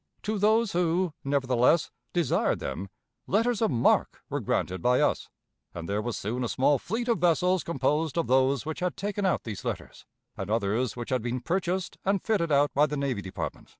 To those who, nevertheless, desired them, letters of marque were granted by us, and there was soon a small fleet of vessels composed of those which had taken out these letters, and others which had been purchased and fitted out by the Navy Department.